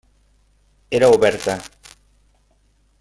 Era oberta.